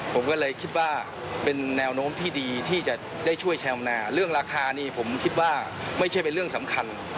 ผมก็เลยคิดว่าเป็นแนวโน้มที่ดีที่จะได้ช่วยชาวนาเรื่องราคานี่ผมคิดว่าไม่ใช่เป็นเรื่องสำคัญ